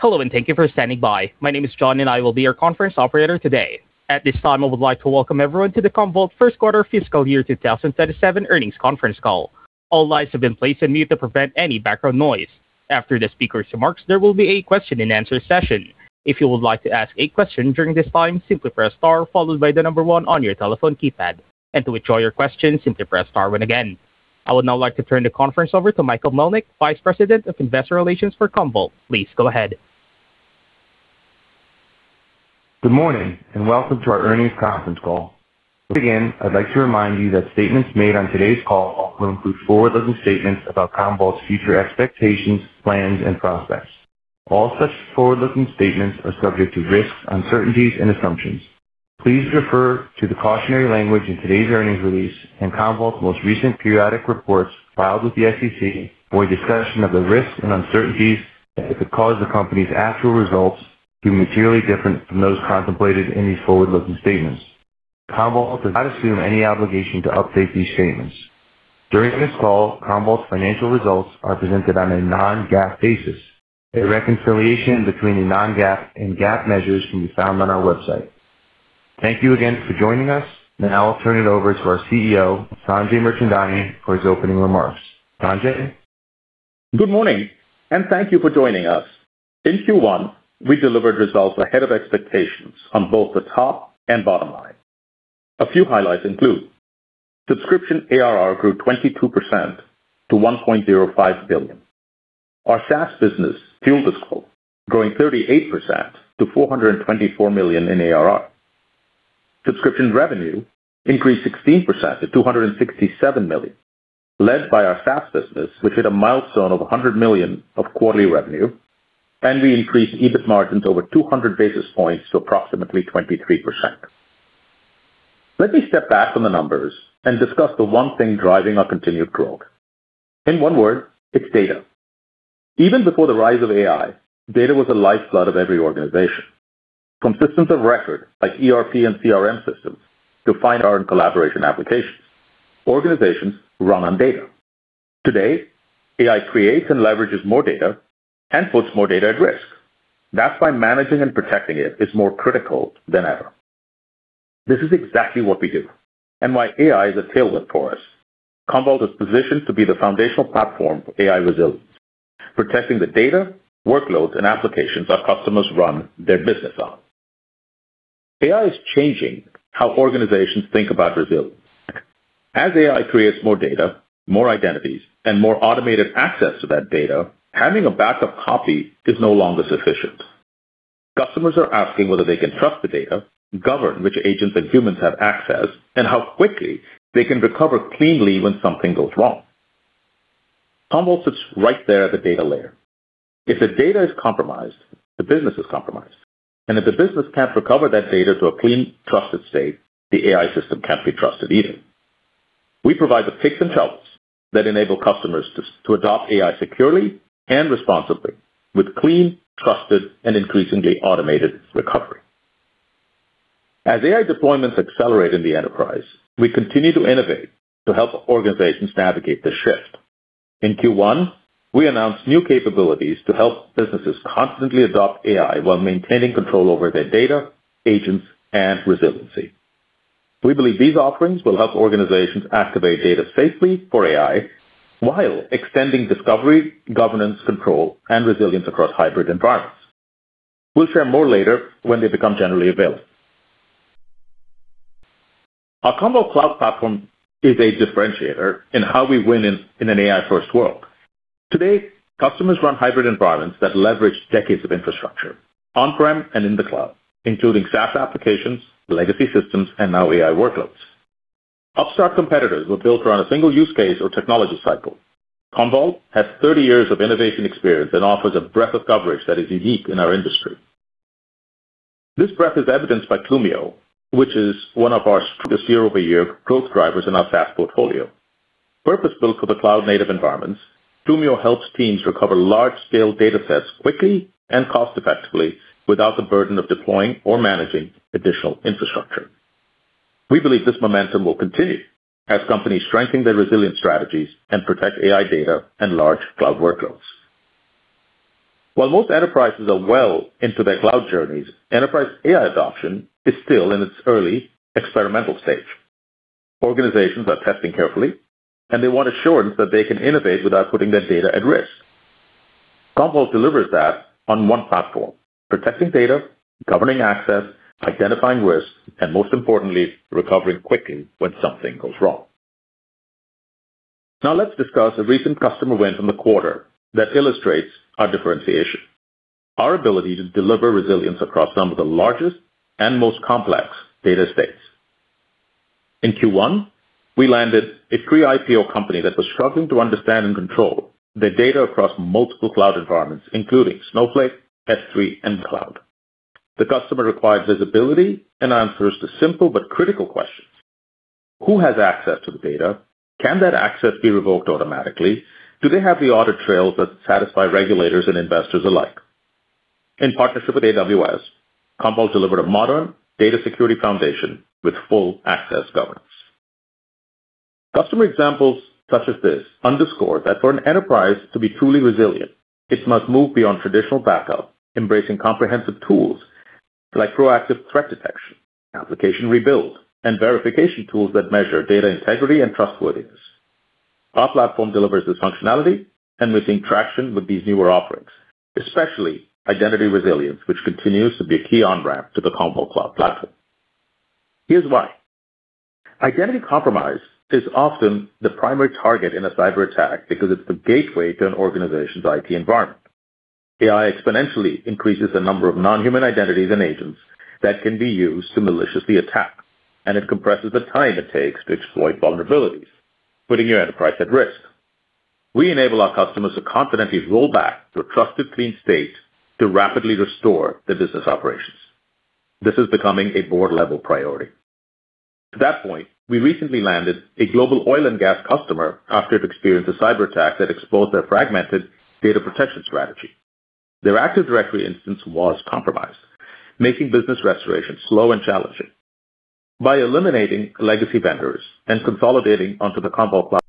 Hello, and thank you for standing by. My name is John, and I will be your conference operator today. At this time, I would like to welcome everyone to the Commvault first quarter fiscal year 2027 earnings Conference Call. I would now like to turn the conference over to Michael Melnyk, Vice President of Investor Relations for Commvault. Please go ahead. Good morning, and welcome to our earnings conference call. To begin, I'd like to remind you that statements made on today's call will include forward-looking statements about Commvault's future expectations, plans, and prospects. All such forward-looking statements are subject to risks, uncertainties, and assumptions. Please refer to the cautionary language in today's earnings release and Commvault's most recent periodic reports filed with the SEC for a discussion of the risks and uncertainties that could cause the company's actual results to be materially different from those contemplated in these forward-looking statements. Commvault does not assume any obligation to update these statements. During this call, Commvault's financial results are presented on a non-GAAP basis. A reconciliation between the non-GAAP and GAAP measures can be found on our website. Thank you again for joining us. Now I'll turn it over to our CEO, Sanjay Mirchandani, for his opening remarks. Sanjay? Good morning, and thank you for joining us. In Q1, we delivered results ahead of expectations on both the top and bottom line. A few highlights include subscription ARR grew 22% to $1.05 billion. Our SaaS business fueled this growth, growing 38% to $424 million in ARR. Subscription revenue increased 16% to $267 million, led by our SaaS business, which hit a milestone of $100 million of quarterly revenue, and we increased EBIT margins over 200 basis points to approximately 23%. Let me step back from the numbers and discuss the one thing driving our continued growth. In one word, it's data. Even before the rise of AI, data was the lifeblood of every organization. From systems of record, like ERP and CRM systems, to find our own collaboration applications, organizations run on data. Today, AI creates and leverages more data and puts more data at risk. That's why managing and protecting it is more critical than ever. This is exactly what we do, and why AI is a tailwind for us. Commvault is positioned to be the foundational platform for AI resilience, protecting the data, workloads, and applications our customers run their business on. AI is changing how organizations think about resilience. As AI creates more data, more identities, and more automated access to that data, having a backup copy is no longer sufficient. Customers are asking whether they can trust the data, govern which agents and humans have access, and how quickly they can recover cleanly when something goes wrong. Commvault sits right there at the data layer. If the data is compromised, the business is compromised. If the business can't recover that data to a clean, trusted state, the AI system can't be trusted either. We provide the picks and shovels that enable customers to adopt AI securely and responsibly with clean, trusted, and increasingly automated recovery. As AI deployments accelerate in the enterprise, we continue to innovate to help organizations navigate the shift. In Q1, we announced new capabilities to help businesses confidently adopt AI while maintaining control over their data, agents, and resiliency. We believe these offerings will help organizations activate data safely for AI while extending discovery, governance, control, and resilience across hybrid environments. We will share more later when they become generally available. Our Commvault Cloud Platform is a differentiator in how we win in an AI-first world. Today, customers run hybrid environments that leverage decades of infrastructure on-prem and in the cloud, including SaaS applications, legacy systems, and now AI workloads. Upstart competitors were built around a single use case or technology cycle. Commvault has 30 years of innovation experience and offers a breadth of coverage that is unique in our industry. This breadth is evidenced by Clumio, which is one of our strongest year-over-year growth drivers in our SaaS portfolio. Purpose-built for the cloud-native environments, Clumio helps teams recover large-scale data sets quickly and cost-effectively without the burden of deploying or managing additional infrastructure. We believe this momentum will continue as companies strengthen their resilience strategies and protect AI data and large cloud workloads. While most enterprises are well into their cloud journeys, enterprise AI adoption is still in its early experimental stage. Organizations are testing carefully, and they want assurance that they can innovate without putting their data at risk. Commvault delivers that on one platform, protecting data, governing access, identifying risks, and most importantly, recovering quickly when something goes wrong. Now let us discuss a recent customer win from the quarter that illustrates our differentiation, our ability to deliver resilience across some of the largest and most complex data estates. In Q1, we landed a pre-IPO company that was struggling to understand and control their data across multiple cloud environments, including Snowflake, S3, and Google Cloud. The customer required visibility and answers to simple but critical questions. Who has access to the data? Can that access be revoked automatically? Do they have the audit trails that satisfy regulators and investors alike? In partnership with AWS, Commvault delivered a modern data security foundation with full access governance. Customer examples such as this underscore that for an enterprise to be truly resilient, it must move beyond traditional backup, embracing comprehensive tools like proactive threat detection, application rebuild, and verification tools that measure data integrity and trustworthiness. Our platform delivers this functionality, we are seeing traction with these newer offerings, especially identity resilience, which continues to be a key on-ramp to the Commvault Cloud Platform. Here is why. Identity compromise is often the primary target in a cyber attack because it is the gateway to an organization's IT environment. AI exponentially increases the number of non-human identities and agents that can be used to maliciously attack, it compresses the time it takes to exploit vulnerabilities, putting your enterprise at risk. We enable our customers to confidently roll back to a trusted clean state to rapidly restore the business operations. This is becoming a board-level priority. To that point, we recently landed a global oil and gas customer after it experienced a cyber attack that exposed their fragmented data protection strategy. Their Active Directory instance was compromised, making business restoration slow and challenging. By eliminating legacy vendors and consolidating onto the Commvault platform,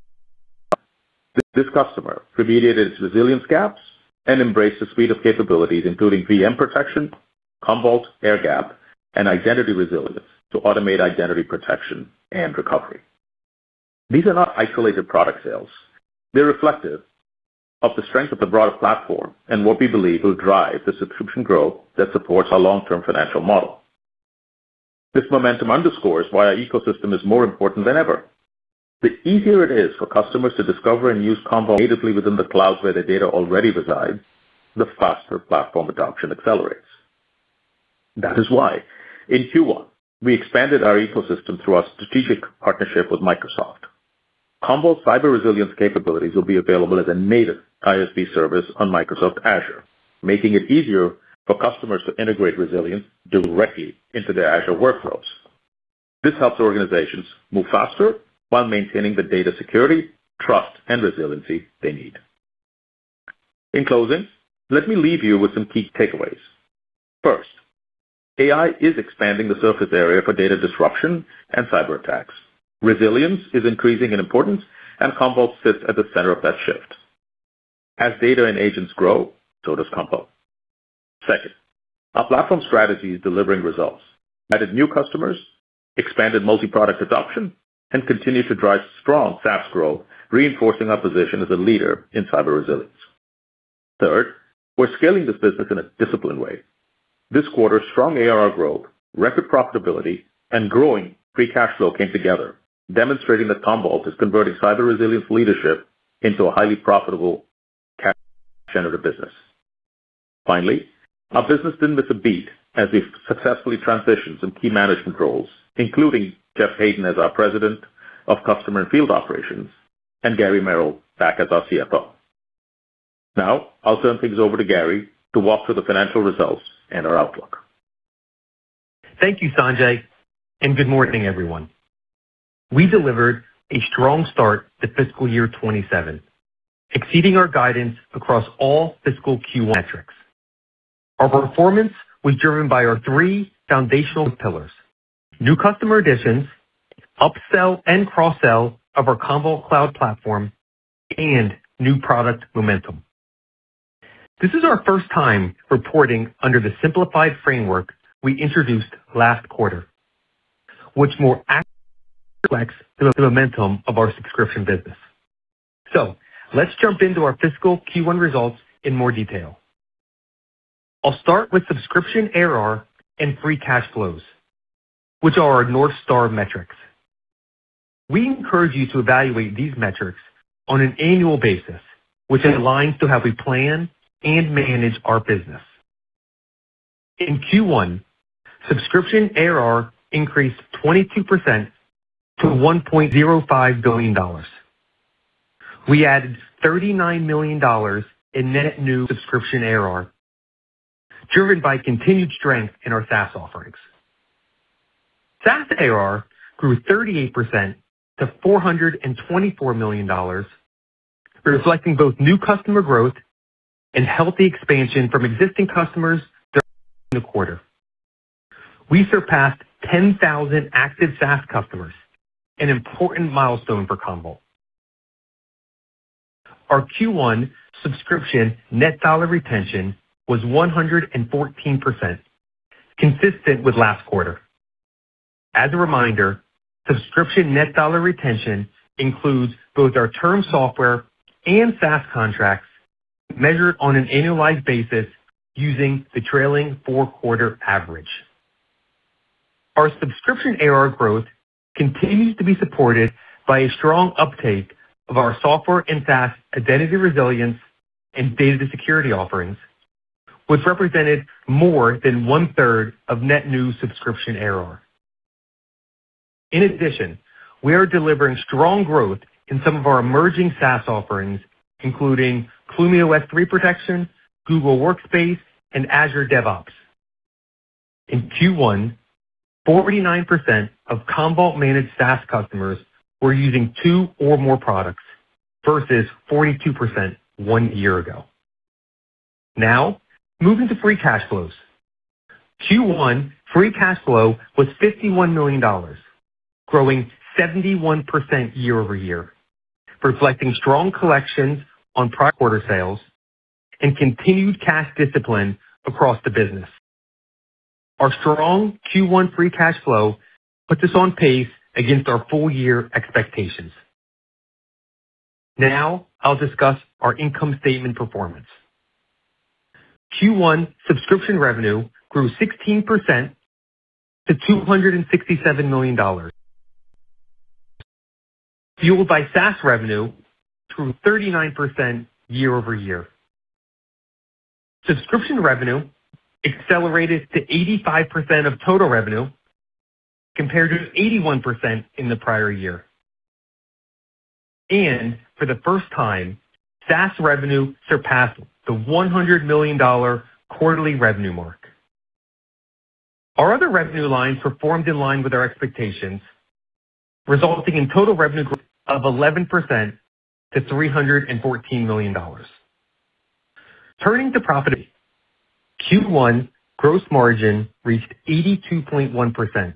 this customer remediated its resilience gaps and embraced a suite of capabilities including VM protection, Commvault AirGap, and identity resilience to automate identity protection and recovery. These are not isolated product sales. They're reflective of the strength of the broader platform and what we believe will drive the subscription growth that supports our long-term financial model. This momentum underscores why our ecosystem is more important than ever. The easier it is for customers to discover and use Commvault natively within the clouds where their data already resides, the faster platform adoption accelerates. That is why in Q1, we expanded our ecosystem through our strategic partnership with Microsoft. Commvault’s cyber resilience capabilities will be available as a native ISV service on Microsoft Azure, making it easier for customers to integrate resilience directly into their Azure workflows. This helps organizations move faster while maintaining the data security, trust, and resiliency they need. In closing, let me leave you with some key takeaways. First, AI is expanding the surface area for data disruption and cyber attacks. Resilience is increasing in importance, and Commvault sits at the center of that shift. As data and agents grow, so does Commvault. Second, our platform strategy is delivering results. Added new customers, expanded multi-product adoption, and continued to drive strong SaaS growth, reinforcing our position as a leader in cyber resilience. Third, we're scaling this business in a disciplined way. This quarter, strong ARR growth, record profitability, and growing free cash flow came together, demonstrating that Commvault is converting cyber resilience leadership into a highly profitable cash generative business. Finally, our business didn't miss a beat as we've successfully transitioned some key management roles, including Geoff Haydon as our President of Customer and Field Operations, and Gary Merrill back as our CFO. Now, I'll turn things over to Gary to walk through the financial results and our outlook. Thank you, Sanjay, and good morning, everyone. We delivered a strong start to fiscal year 2027, exceeding our guidance across all fiscal Q1 metrics. Our performance was driven by our three foundational pillars: new customer additions, up-sell and cross-sell of our Commvault Cloud Platform, and new product momentum. This is our first time reporting under the simplified framework we introduced last quarter, which more accurately reflects the momentum of our subscription business. Let's jump into our fiscal Q1 results in more detail. I'll start with subscription ARR and free cash flows, which are our North Star metrics. We encourage you to evaluate these metrics on an annual basis, which aligns to how we plan and manage our business. In Q1, subscription ARR increased 22% to $1.05 billion. We added $39 million in net new subscription ARR, driven by continued strength in our SaaS offerings. SaaS ARR grew 38% to $424 million, reflecting both new customer growth and healthy expansion from existing customers throughout the quarter. We surpassed 10,000 active SaaS customers, an important milestone for Commvault. Our Q1 subscription net dollar retention was 114%, consistent with last quarter. As a reminder, subscription net dollar retention includes both our term software and SaaS contracts measured on an annualized basis using the trailing four-quarter average. Our subscription ARR growth continues to be supported by a strong uptake of our software and SaaS identity resilience and data security offerings, which represented more than one-third of net new subscription ARR. In addition, we are delivering strong growth in some of our emerging SaaS offerings, including Clumio S3 protection, Google Workspace, and Azure DevOps. In Q1, 49% of Commvault Managed SaaS customers were using two or more products, versus 42% one year ago. Moving to free cash flows. Q1 free cash flow was $51 million, growing 71% year-over-year, reflecting strong collections on prior quarter sales and continued cash discipline across the business. Our strong Q1 free cash flow puts us on pace against our full year expectations. I'll discuss our income statement performance. Q1 subscription revenue grew 16% to $267 million, fueled by SaaS revenue grew 39% year-over-year. Subscription revenue accelerated to 85% of total revenue compared to 81% in the prior year. For the first time, SaaS revenue surpassed the $100 million quarterly revenue mark. Our other revenue lines performed in line with our expectations, resulting in total revenue growth of 11% to $314 million. Turning to profitability. Q1 gross margin reached 82.1%,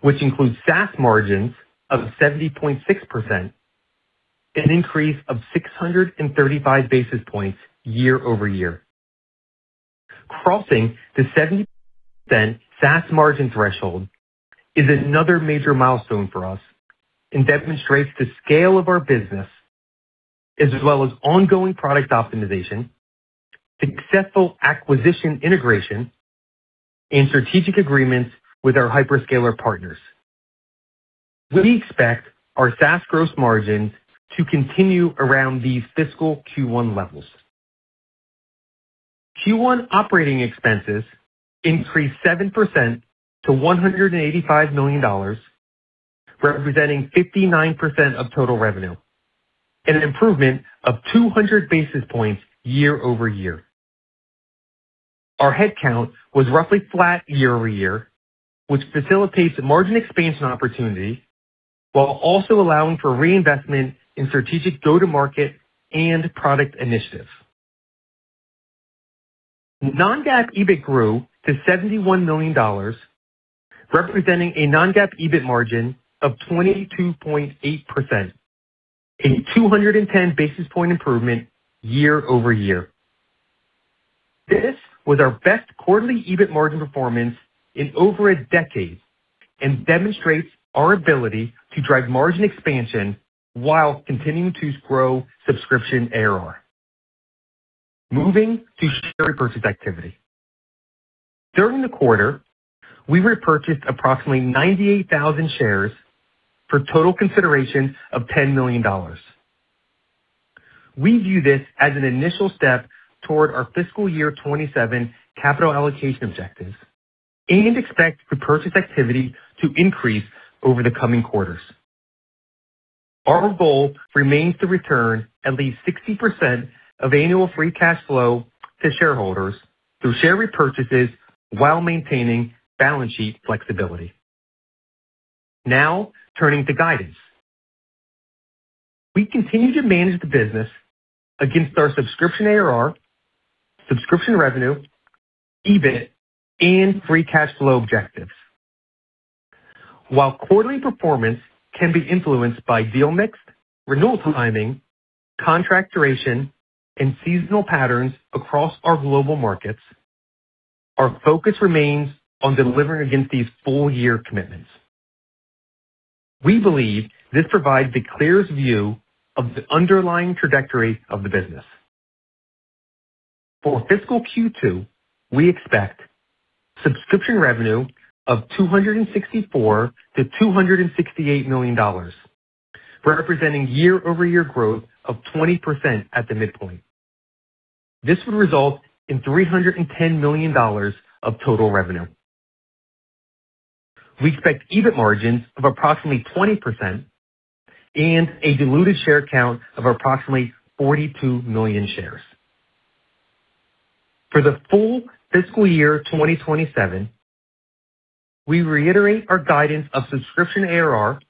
which includes SaaS margins of 70.6%, an increase of 635 basis points year-over-year. Crossing the 70% SaaS margin threshold is another major milestone for us and demonstrates the scale of our business as well as ongoing product optimization, successful acquisition integration, and strategic agreements with our hyperscaler partners. We expect our SaaS gross margin to continue around these fiscal Q1 levels. Q1 operating expenses increased 7% to $185 million, representing 59% of total revenue, an improvement of 200 basis points year-over-year. Our head count was roughly flat year-over-year, which facilitates margin expansion opportunity while also allowing for reinvestment in strategic go-to-market and product initiatives. Non-GAAP EBIT grew to $71 million, representing a Non-GAAP EBIT margin of 22.8%, a 210 basis point improvement year-over-year. This was our best quarterly EBIT margin performance in over a decade and demonstrates our ability to drive margin expansion while continuing to grow subscription ARR. Moving to share repurchase activity. During the quarter, we repurchased approximately 98,000 shares for total consideration of $10 million. We view this as an initial step toward our fiscal year 2027 capital allocation objectives and expect repurchase activity to increase over the coming quarters. Our goal remains to return at least 60% of annual free cash flow to shareholders through share repurchases while maintaining balance sheet flexibility. Turning to guidance. We continue to manage the business against our subscription ARR, subscription revenue, EBIT, and free cash flow objectives. While quarterly performance can be influenced by deal mix, renewal timing, contract duration, and seasonal patterns across our global markets, our focus remains on delivering against these full year commitments. We believe this provides the clearest view of the underlying trajectory of the business. For fiscal Q2, we expect subscription revenue of $264 million-$268 million, representing year-over-year growth of 20% at the midpoint. This would result in $310 million of total revenue. We expect EBIT margins of approximately 20% and a diluted share count of approximately 42 million shares. For the full fiscal year 2027, we reiterate our guidance of subscription ARR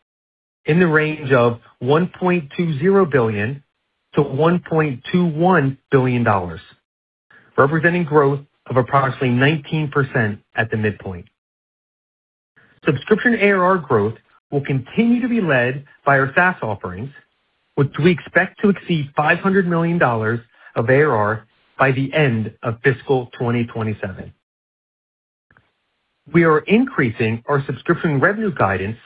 in the range of $1.20 billion-$1.21 billion, representing growth of approximately 19% at the midpoint. Subscription ARR growth will continue to be led by our SaaS offerings, which we expect to exceed $500 million of ARR by the end of fiscal 2027. We are increasing our subscription revenue guidance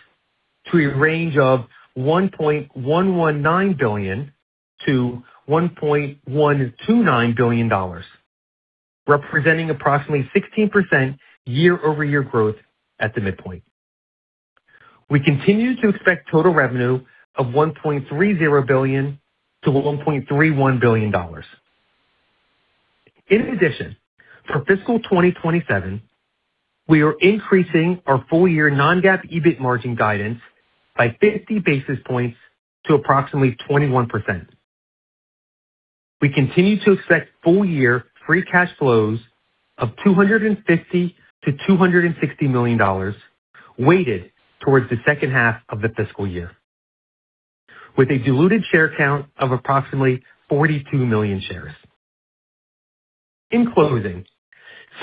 to a range of $1.119 billion-$1.129 billion, representing approximately 16% year-over-year growth at the midpoint. We continue to expect total revenue of $1.30 billion-$1.31 billion. In addition, for fiscal 2027, we are increasing our full year non-GAAP EBIT margin guidance by 50 basis points to approximately 21%. We continue to expect full year free cash flows of $250 million-$260 million, weighted towards the second half of the fiscal year. With a diluted share count of approximately 42 million shares. In closing,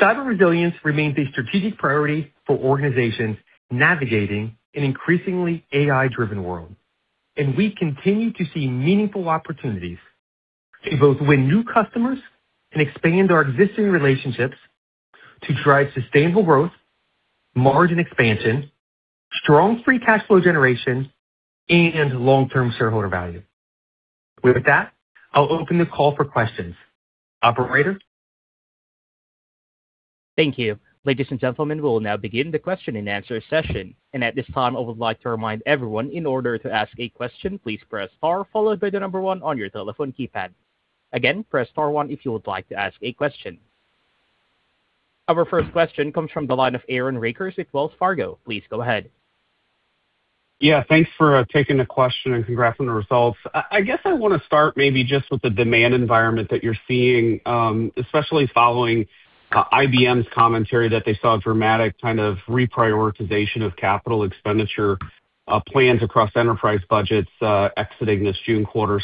cyber resilience remains a strategic priority for organizations navigating an increasingly AI-driven world. We continue to see meaningful opportunities to both win new customers and expand our existing relationships to drive sustainable growth, margin expansion, strong free cash flow generation, and long-term shareholder value. With that, I'll open the call for questions. Operator? Thank you. Ladies and gentlemen, we'll now begin the question and answer session. Our first question comes from the line of Aaron Rakers with Wells Fargo. Please go ahead. Yeah. Thanks for taking the question, and congrats on the results. I guess I want to start maybe just with the demand environment that you're seeing, especially following IBM's commentary that they saw a dramatic kind of reprioritization of capital expenditure plans across enterprise budgets exiting this June quarter.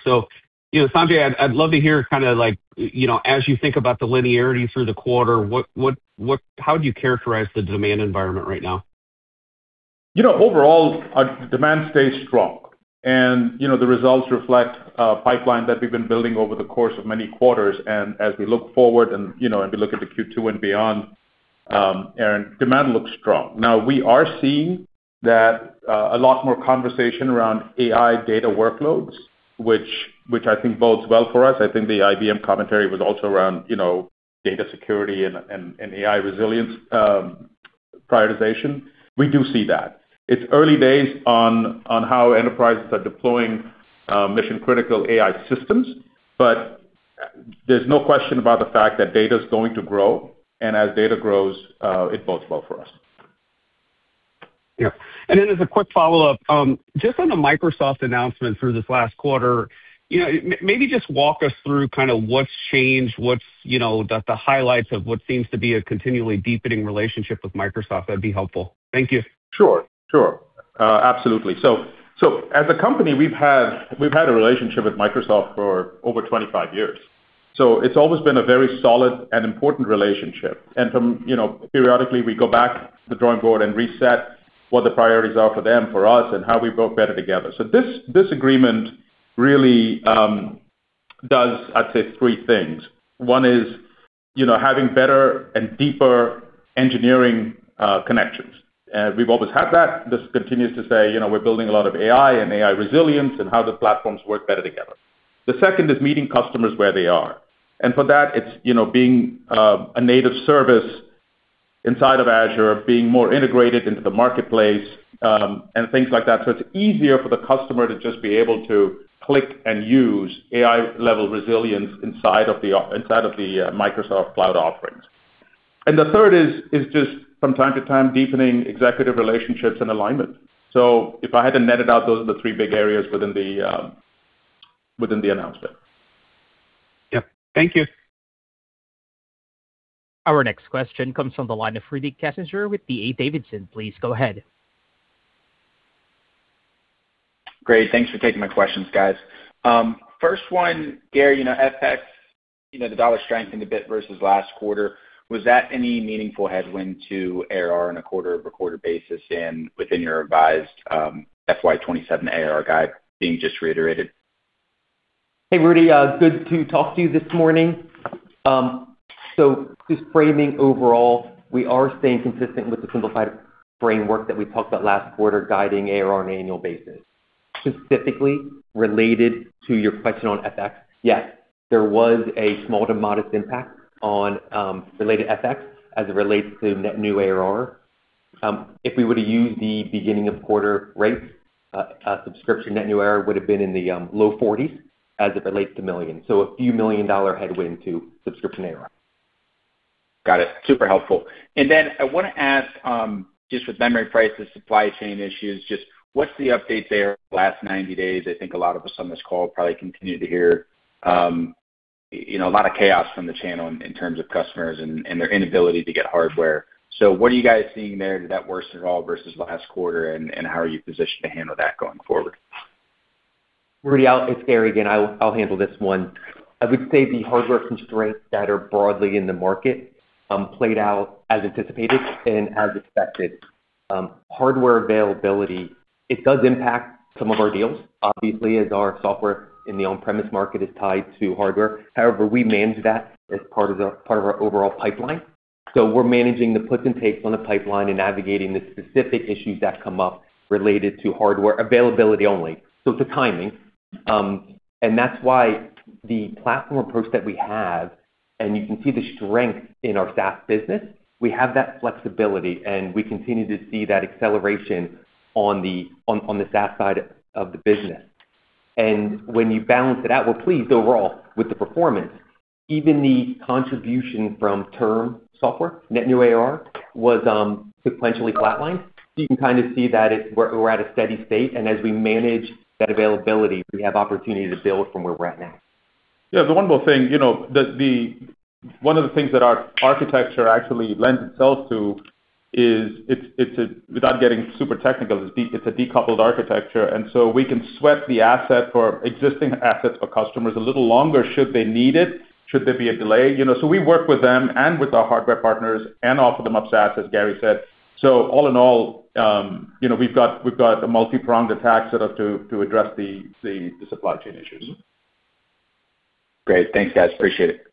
Sanjay, I'd love to hear kind of like, as you think about the linearity through the quarter, how do you characterize the demand environment right now? Overall, our demand stays strong. The results reflect a pipeline that we've been building over the course of many quarters. As we look forward and we look at the Q2 and beyond, Aaron, demand looks strong. Now, we are seeing that a lot more conversation around AI data workloads, which I think bodes well for us. I think the IBM commentary was also around data security and AI resilience prioritization. We do see that. It's early days on how enterprises are deploying mission-critical AI systems, but there's no question about the fact that data is going to grow, and as data grows, it bodes well for us. Yeah. As a quick follow-up, just on the Microsoft announcement through this last quarter, maybe just walk us through kind of what's changed, the highlights of what seems to be a continually deepening relationship with Microsoft, that'd be helpful. Thank you. Sure. Absolutely. As a company, we've had a relationship with Microsoft for over 25 years. It's always been a very solid and important relationship. Periodically, we go back to the drawing board and reset what the priorities are for them, for us, and how we work better together. This agreement really does, I'd say, three things. One is having better and deeper engineering connections. We've always had that. This continues to say, we're building a lot of AI and AI resilience and how the platforms work better together. The second is meeting customers where they are. For that, it's being a native service inside of Azure, being more integrated into the marketplace, and things like that. It's easier for the customer to just be able to click and use AI-level resilience inside of the Microsoft cloud offerings. The third is just from time to time, deepening executive relationships and alignment. If I had to net it out, those are the three big areas within the announcement. Yeah. Thank you. Our next question comes from the line of Rudy Kessinger with D.A. Davidson. Please go ahead. Great. Thanks for taking my questions, guys. First one, Gary, FX, the dollar strength in the bit versus last quarter, was that any meaningful headwind to ARR on a quarter-over-quarter basis and within your revised FY 2027 ARR guide being just reiterated? Hey, Rudy. Good to talk to you this morning. Just framing overall, we are staying consistent with the simplified framework that we talked about last quarter, guiding ARR on an annual basis. Specifically related to your question on FX, yes, there was a small to modest impact on related FX as it relates to net new ARR. If we were to use the beginning of quarter rates, subscription net new ARR would have been in the low 40s as it relates to millions. A few million dollar headwind to subscription ARR. Got it. Super helpful. I want to ask, just with memory prices, supply chain issues, just what's the update there? Last 90 days, I think a lot of us on this call probably continued to hear a lot of chaos from the channel in terms of customers and their inability to get hardware. What are you guys seeing there? Did that worsen at all versus last quarter, and how are you positioned to handle that going forward? Rudy, it's Gary again. I'll handle this one. I would say the hardware constraints that are broadly in the market played out as anticipated and as expected. Hardware availability, it does impact some of our deals. Obviously, as our software in the on-premise market is tied to hardware. However, we manage that as part of our overall pipeline. We're managing the puts and takes on the pipeline and navigating the specific issues that come up related to hardware availability only. It's a timing, and that's why the platform approach that we have, and you can see the strength in our SaaS business, we have that flexibility, and we continue to see that acceleration on the SaaS side of the business. When you balance it out, we're pleased overall with the performance. Even the contribution from term software, net new ARR was sequentially flatlined. You can kind of see that we're at a steady state, and as we manage that availability, we have opportunity to build from where we're at now. Yeah. One of the things that our architecture actually lends itself to is, without getting super technical, it's a decoupled architecture. We can sweat the existing assets for customers a little longer should they need it, should there be a delay. We work with them and with our hardware partners and offer them up SaaS, as Gary said. All in all, we've got a multi-pronged attack set up to address the supply chain issues. Great. Thanks, guys. Appreciate it.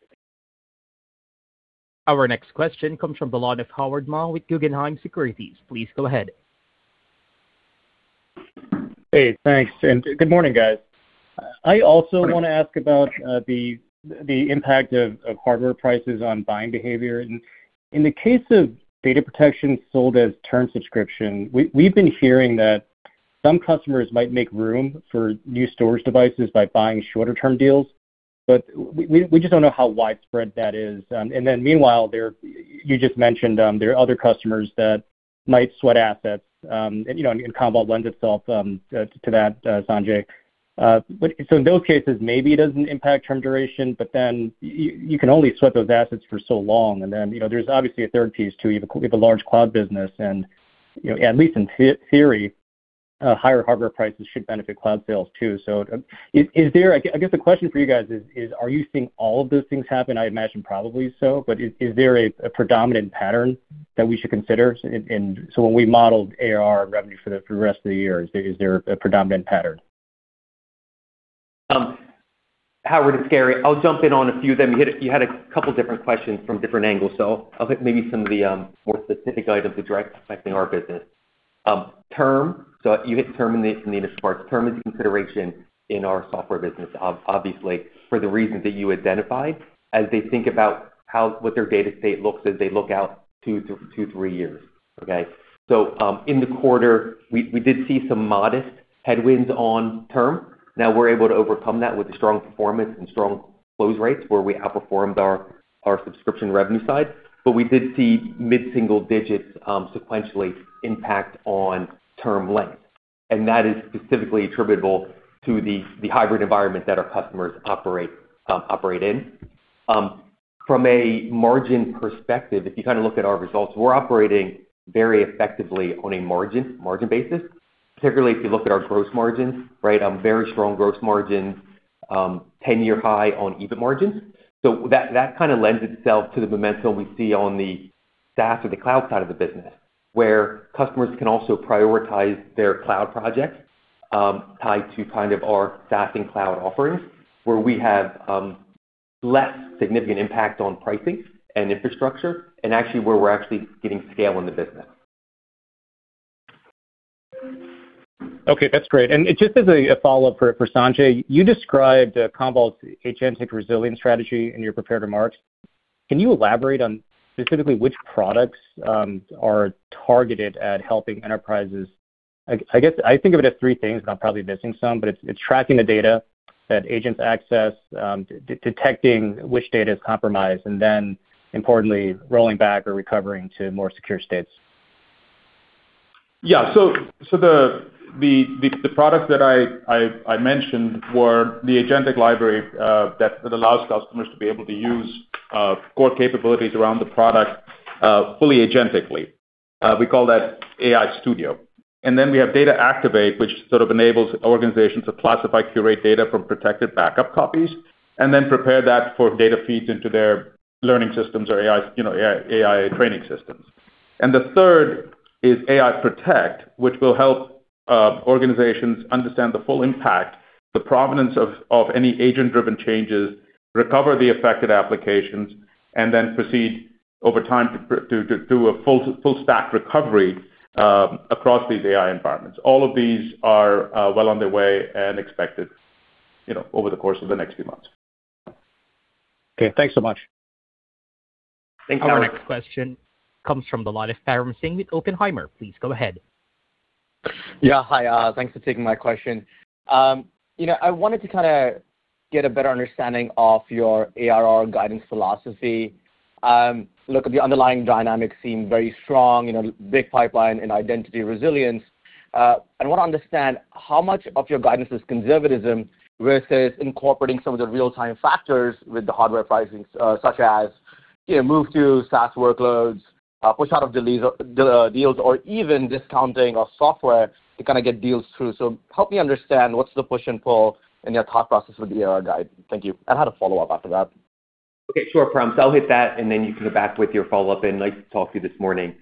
Our next question comes from the line of Howard Ma with Guggenheim Securities. Please go ahead. Hey, thanks, and good morning, guys. I also want to ask about the impact of hardware prices on buying behavior. In the case of data protection sold as term subscription, we've been hearing that some customers might make room for new storage devices by buying shorter-term deals, but we just don't know how widespread that is. Meanwhile, you just mentioned there are other customers that might sweat assets, and Commvault lends itself to that, Sanjay. In those cases, maybe it doesn't impact term duration, but then you can only sweat those assets for so long. There's obviously a third piece, too. You have a large cloud business and at least in theory, higher hardware prices should benefit cloud sales, too. I guess the question for you guys is, are you seeing all of those things happen? I imagine probably so, but is there a predominant pattern that we should consider? When we model ARR revenue for the rest of the year, is there a predominant pattern? Howard, it's Gary. I'll jump in on a few of them. You had a couple different questions from different angles. I'll hit maybe some of the more specific items that directly affect our business. Term, you hit term in the initial part. Term is a consideration in our software business, obviously, for the reasons that you identified as they think about what their data state looks as they look out two to three years. Okay? In the quarter, we did see some modest headwinds on term. Now we're able to overcome that with strong performance and strong close rates where we outperformed our subscription revenue side. We did see mid-single digits sequentially impact on term length. That is specifically attributable to the hybrid environment that our customers operate in. From a margin perspective, if you look at our results, we're operating very effectively on a margin basis, particularly if you look at our gross margins. Very strong gross margins, 10-year high on EBIT margins. That lends itself to the momentum we see on the SaaS or the cloud side of the business, where customers can also prioritize their cloud projects tied to our SaaS and cloud offerings, where we have less significant impact on pricing and infrastructure, and actually where we're getting scale in the business. Okay, that's great. Just as a follow-up for Sanjay, you described Commvault's agentic resilience strategy in your prepared remarks. Can you elaborate on specifically which products are targeted at helping enterprises? I think of it as three things, I'm probably missing some, but it's tracking the data that agents access, detecting which data is compromised, then importantly, rolling back or recovering to more secure states. Yeah. The products that I mentioned were the agentic library that allows customers to be able to use core capabilities around the product fully agentically. We call that AI Studio. We have Data Activate, which sort of enables organizations to classify, curate data from protected backup copies, and then prepare that for data feeds into their learning systems or AI training systems. The third is AI Protect, which will help organizations understand the full impact, the provenance of any agent-driven changes, recover the affected applications, and then proceed over time to do a full stack recovery across these AI environments. All of these are well on their way and expected over the course of the next few months. Okay. Thanks so much. Thanks, Howard. Our next question comes from the line of Param Singh with Oppenheimer. Please go ahead. Yeah. Hi. Thanks for taking my question. I wanted to get a better understanding of your ARR guidance philosophy. Look, the underlying dynamics seem very strong, big pipeline in identity resilience. I want to understand how much of your guidance is conservatism versus incorporating some of the real-time factors with the hardware pricing, such as move to SaaS workloads, push out of deals, or even discounting of software to get deals through. Help me understand what's the push and pull in your thought process with the ARR guide. Thank you. I had a follow-up after that. Okay, sure, Param. I'll hit that, and then you can come back with your follow-up in, like you talked to this morning.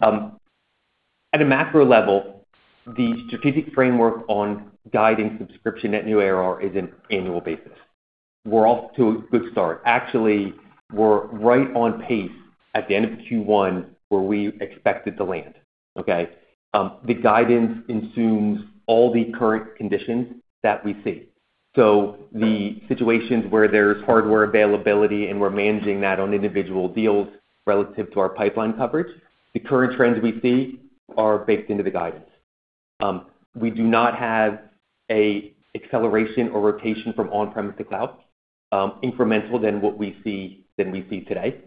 At a macro level, the strategic framework on guiding subscription net new ARR is an annual basis. We're off to a good start. Actually, we're right on pace at the end of Q1 where we expected to land. Okay? The guidance consumes all the current conditions that we see. The situations where there's hardware availability, and we're managing that on individual deals relative to our pipeline coverage, the current trends we see are baked into the guidance. We do not have a acceleration or rotation from on-premise to cloud incremental than what we see today.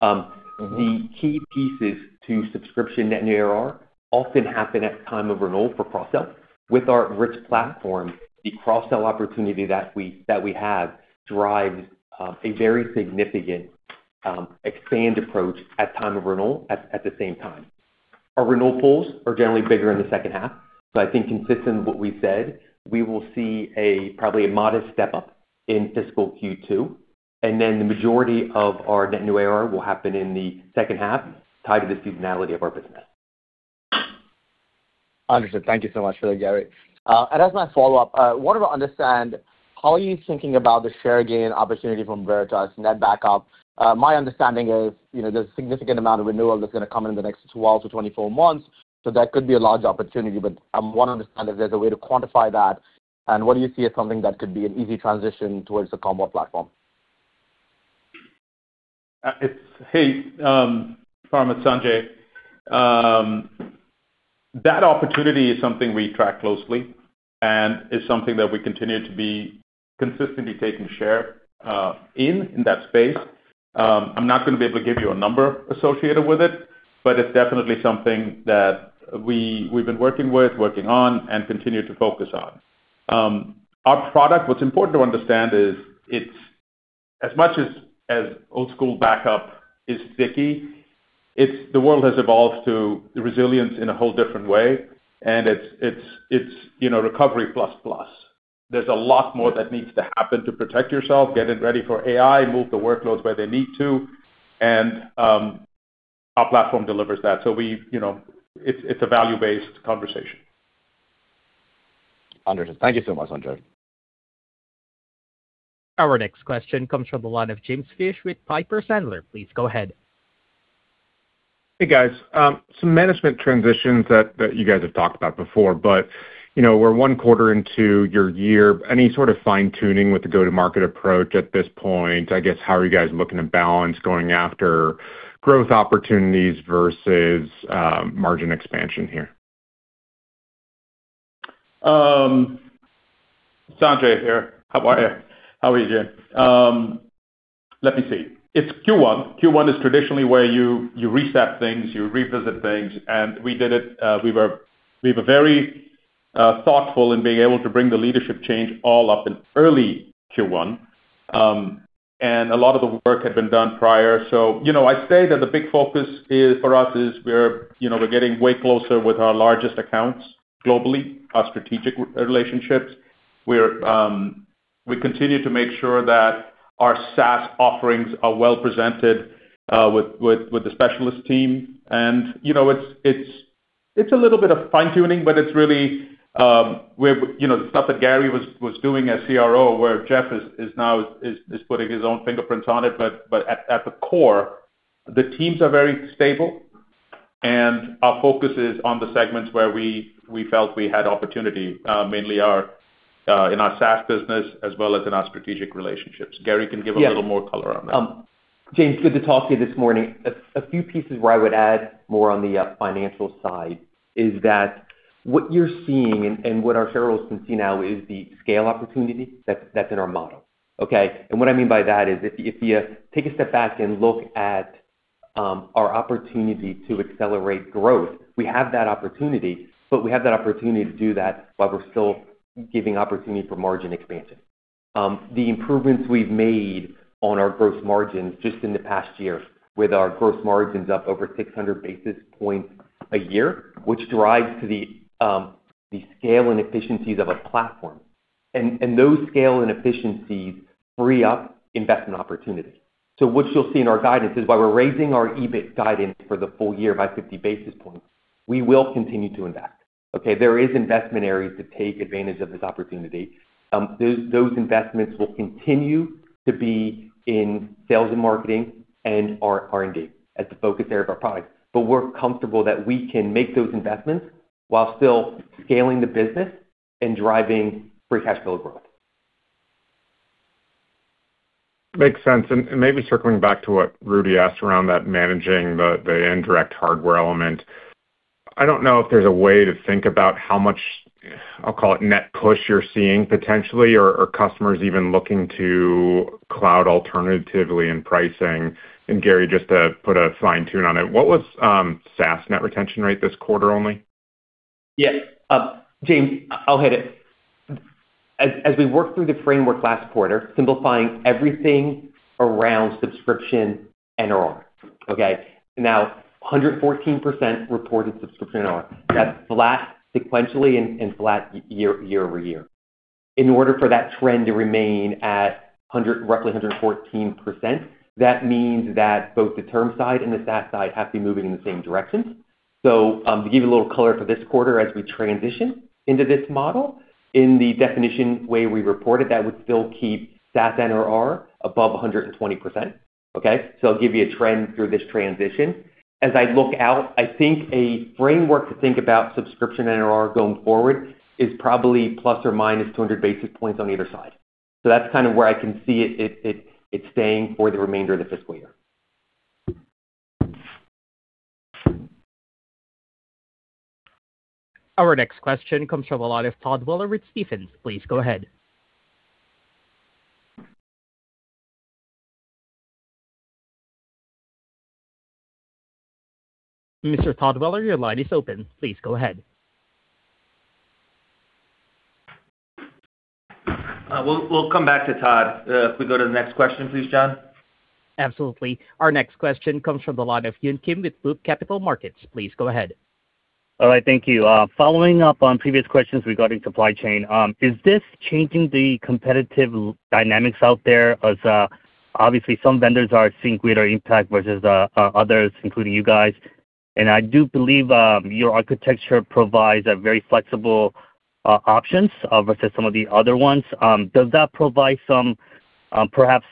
The key pieces to subscription net new ARR often happen at time of renewal for cross-sell. With our rich platform, the cross-sell opportunity that we have drives a very significant expand approach at time of renewal, at the same time. Our renewal pools are generally bigger in the second half. I think consistent with what we said, we will see probably a modest step up in fiscal Q2, and then the majority of our net new ARR will happen in the second half, tied to the seasonality of our business. Understood. Thank you so much for that, Gary. As my follow-up, I wanted to understand how are you thinking about the share gain opportunity from Veritas NetBackup? My understanding is, there's a significant amount of renewal that's going to come in the next 12 months-24 months. That could be a large opportunity. I want to understand if there's a way to quantify that, and what do you see as something that could be an easy transition towards the Commvault platform? Hey, Param, it's Sanjay. That opportunity is something we track closely and is something that we continue to be consistently taking share in that space. I'm not going to be able to give you a number associated with it, but it's definitely something that we've been working with, working on and continue to focus on. Our product, what's important to understand is as much as old school backup is sticky, the world has evolved to resilience in a whole different way, and it's recovery plus. There's a lot more that needs to happen to protect yourself, get it ready for AI, move the workloads where they need to, and our platform delivers that. It's a value-based conversation. Understood. Thank you so much, Sanjay. Our next question comes from the line of James Fish with Piper Sandler. Please go ahead. Hey, guys. Some management transitions that you guys have talked about before. We're one quarter into your year. Any sort of fine-tuning with the go-to-market approach at this point? I guess, how are you guys looking to balance going after growth opportunities versus margin expansion here? Sanjay here. How are you, James? Let me see. It's Q1. Q1 is traditionally where you reset things, you revisit things, and we did it. We were very thoughtful in being able to bring the leadership change all up in early Q1. A lot of the work had been done prior. I say that the big focus for us is we're getting way closer with our largest accounts globally, our strategic relationships. We continue to make sure that our SaaS offerings are well presented, with the specialist team. It's a little bit of fine-tuning, but the stuff that Gary was doing as CRO, where Geoff is now putting his own fingerprints on it. At the core, the teams are very stable, and our focus is on the segments where we felt we had opportunity, mainly in our SaaS business as well as in our strategic relationships. Gary can give a little more color on that. James, good to talk to you this morning. A few pieces where I would add more on the financial side is that what you're seeing and what our shareholders can see now is the scale opportunity that's in our model. Okay? What I mean by that is if you take a step back and look at our opportunity to accelerate growth, we have that opportunity, but we have that opportunity to do that while we're still giving opportunity for margin expansion. The improvements we've made on our gross margins just in the past year with our gross margins up over 600 basis points a year, which drives to the scale and efficiencies of a platform. Those scale and efficiencies free up investment opportunities. What you'll see in our guidance is while we're raising our EBIT guidance for the full year by 50 basis points, we will continue to invest. Okay? There is investment areas to take advantage of this opportunity. Those investments will continue to be in sales and marketing and R&D as the focus area of our products. We're comfortable that we can make those investments while still scaling the business and driving free cash flow growth. Makes sense. Maybe circling back to what Rudy asked around that managing the indirect hardware element. I don't know if there's a way to think about how much, I'll call it net push you're seeing potentially or customers even looking to cloud alternatively in pricing. Gary, just to put a fine tune on it, what was SaaS net retention rate this quarter only? James, I'll hit it. As we worked through the framework last quarter, simplifying everything around subscription NRR. Okay? Now 114% reported subscription NRR. That's flat sequentially and flat year-over-year. In order for that trend to remain at roughly 114%, that means that both the term side and the SaaS side have to be moving in the same direction. To give you a little color for this quarter as we transition into this model, in the definition way we reported, that would still keep SaaS NRR above 120%. Okay? I'll give you a trend through this transition. As I look out, I think a framework to think about subscription NRR going forward is probably ±200 basis points on either side. That's where I can see it staying for the remainder of the fiscal year. Our next question comes from the line of Todd Weller with Stephens. Please go ahead. Mr. Todd Weller, your line is open. Please go ahead. We'll come back to Todd. If we go to the next question, please, John. Absolutely. Our next question comes from the line of Yun Kim with Loop Capital Markets. Please go ahead. All right. Thank you. Following up on previous questions regarding supply chain, is this changing the competitive dynamics out there? Obviously some vendors are seeing greater impact versus others, including you guys. I do believe your architecture provides a very flexible option versus some of the other ones. Perhaps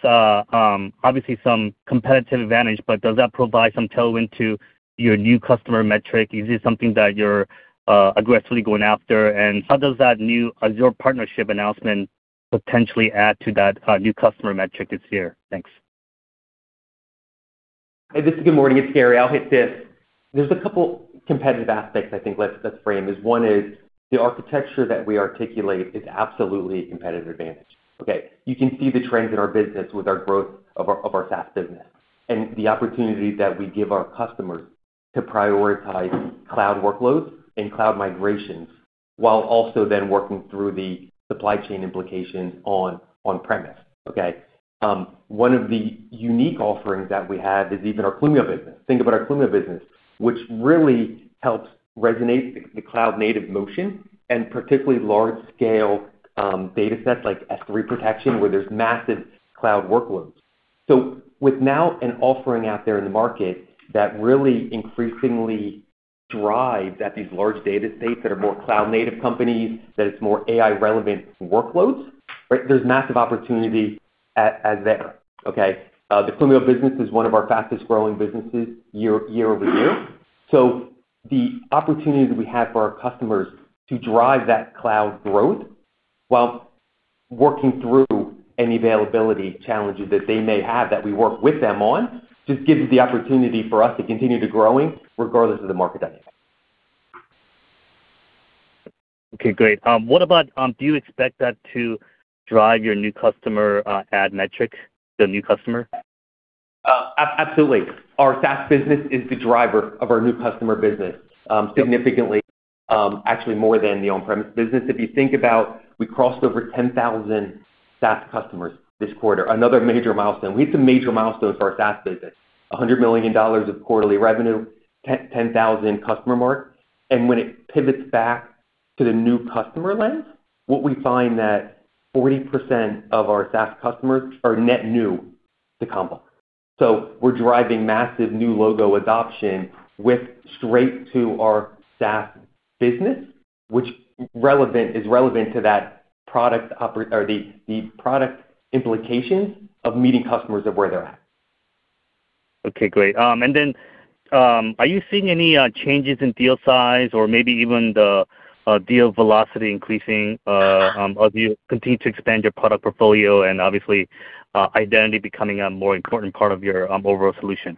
obviously some competitive advantage, but does that provide some tailwind to your new customer metric? Is this something that you're aggressively going after? How does that new Azure partnership announcement potentially add to that new customer metric this year? Thanks. Good morning, it's Gary. I'll hit this. There's a couple competitive aspects I think let's frame. One is the architecture that we articulate is absolutely a competitive advantage. Okay? You can see the trends in our business with our growth of our SaaS business and the opportunity that we give our customers to prioritize cloud workloads and cloud migrations, while also then working through the supply chain implications on premise. Okay? One of the unique offerings that we have is even our Clumio business. Think about our Clumio business, which really helps resonate the cloud-native motion and particularly large-scale data sets like S3 protection, where there's massive cloud workloads. With now an offering out there in the market that really increasingly thrives at these large data sets that are more cloud-native companies, that it's more AI-relevant workloads, right? There's massive opportunity there. Okay? The Clumio business is one of our fastest-growing businesses year-over-year. The opportunity that we have for our customers to drive that cloud growth while working through any availability challenges that they may have that we work with them on, just gives the opportunity for us to continue to growing regardless of the market dynamic. Okay, great. Do you expect that to drive your new customer add metric to a new customer? Absolutely. Our SaaS business is the driver of our new customer business. Significantly, actually more than the on-premise business. If you think about we crossed over 10,000 SaaS customers this quarter, another major milestone. We hit some major milestones for our SaaS business, $100 million of quarterly revenue, 10,000 customer mark. When it pivots back to the new customer lens, what we find that 40% of our SaaS customers are net new to Commvault. We're driving massive new logo adoption with straight to our SaaS business, which is relevant to the product implications of meeting customers at where they're at. Okay, great. Then, are you seeing any changes in deal size or maybe even the deal velocity increasing as you continue to expand your product portfolio and obviously, identity becoming a more important part of your overall solution?